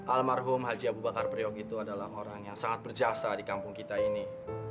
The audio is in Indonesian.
almarhum haji abu bakar priok itu adalah orang yang sangat berjasa di kampung kita ini